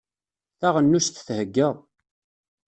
Taɣenust thegga.